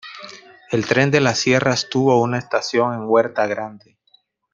El Tren de las Sierras tuvo una estación en Huerta Grande.